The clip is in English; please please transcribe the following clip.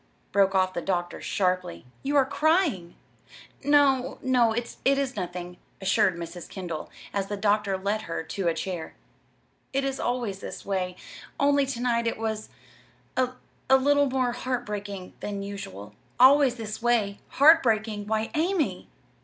broke off the doctor, sharply, "you are crying!" "No, no, it is nothing," assured Mrs. Kendall, as the doctor led her to a chair. "It is always this way, only to night it was a a little more heart breaking than usual." "'Always this way'! 'Heart breaking'! Why, Amy!"